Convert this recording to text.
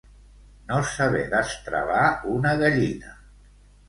No saber destravar una gallina.